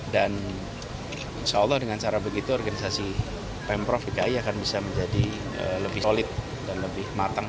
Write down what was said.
dan insya allah dengan cara begitu organisasi pemprov dki akan bisa menjadi lebih solid dan lebih markas